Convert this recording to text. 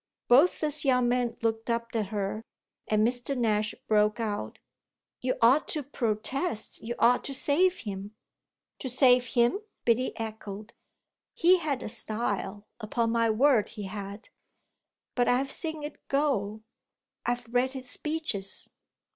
Both the young men looked up at her and Mr. Nash broke out: "You ought to protest! You ought to save him!" "To save him?" Biddy echoed. "He had a style, upon my word he had! But I've seen it go. I've read his speeches."